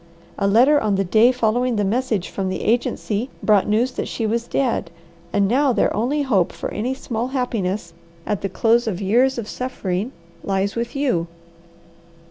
A letter on the day following the message from the agency brought news that she was dead, and now their only hope for any small happiness at the close of years of suffering lies with you.